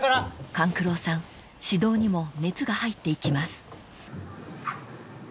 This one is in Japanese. ［勘九郎さん指導にも熱が入っていきます］